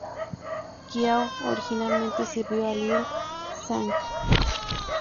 Qiao originalmente sirvió a Liu Zhang.